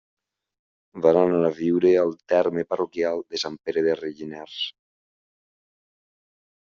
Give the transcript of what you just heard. Van anar a viure al terme parroquial de Sant Pere de Rellinars.